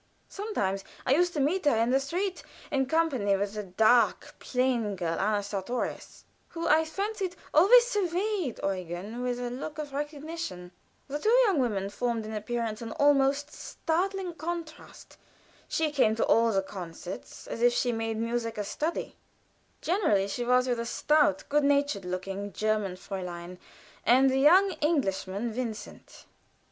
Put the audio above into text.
Sometimes I used to meet her in the street, in company with the dark, plain girl, Anna Sartorius, who, I fancied, always surveyed Eugen with a look of recognition. The two young women formed in appearance an almost startling contrast. She came to all the concerts, as if she made music a study generally she was with a stout, good natured looking German Fräulein, and the young Englishman, Vincent.